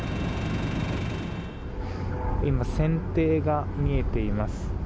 船底が見えています。